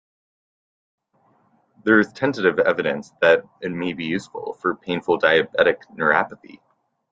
There is tentative evidence that it may be useful for painful diabetic neuropathy.